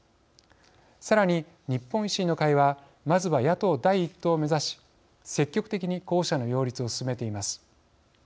さらに日本維新の会はまずは野党第１党を目指し積極的に候補者の擁立を進めています。